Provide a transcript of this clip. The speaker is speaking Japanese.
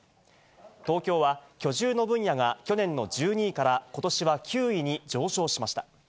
東京は居住の分野が去年の１２位から、ことしは９位に上昇しました。